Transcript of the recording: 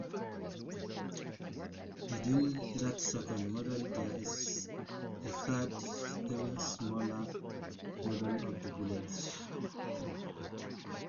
Within that second model there is a third, even smaller model of the village.